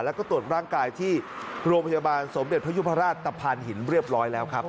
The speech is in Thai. แล้วก็ตรวจร่างกายที่โรงพยาบาลสมเด็จพระยุพราชตะพานหินเรียบร้อยแล้วครับ